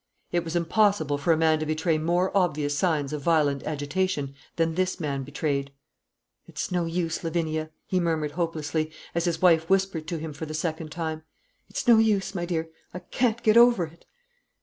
It was impossible for a man to betray more obvious signs of violent agitation than this man betrayed. "It's no use, Lavinia," he murmured hopelessly, as his wife whispered to him for the second time; "it's no use, my dear; I can't get over it."